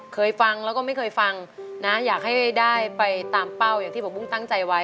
เคยฟังแล้วก็ไม่เคยฟังนะอยากให้ได้ไปตามเป้าอย่างที่ผมบุ้งตั้งใจไว้